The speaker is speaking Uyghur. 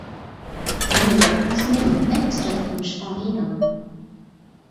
ھوي داپ يۈز مايمۇن! نەچچە رەت تۇمشۇقۇڭغا يېدىڭ.